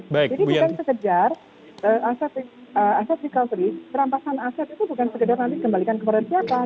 jadi bukan sekejar aset recovery terampasan aset itu bukan segera nanti kembalikan kepada siapa